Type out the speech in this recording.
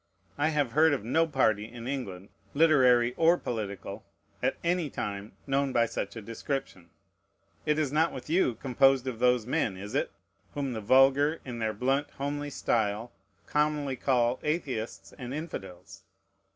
I have heard of no party in England, literary or political, at any time, known by such a description. It is not with you composed of those men, is it? whom the vulgar, in their blunt, homely style, commonly call Atheists and Infidels?